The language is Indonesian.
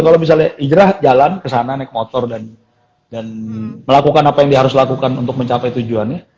kalau misalnya hijrah jalan kesana naik motor dan melakukan apa yang dia harus lakukan untuk mencapai tujuannya